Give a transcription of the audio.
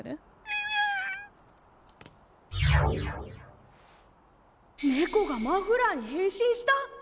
心の声ネコがマフラーに変身した！？